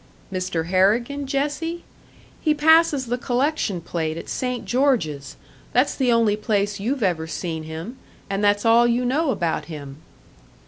"Mr. Harrigan, Jessie? He passes the collection plate at St. George's! That's the only place you've ever seen him, and that's all you know about him."